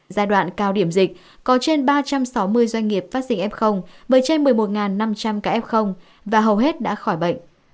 giai đoạn cao điểm dịch có trên ba trăm sáu mươi doanh nghiệp phát sinh f với trên một mươi một năm trăm linh ca f và hầu hết đã khỏi bệnh